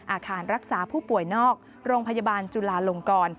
อาคารรักษาผู้ป่วยนอกโรงพยาบาลจุลาลงกร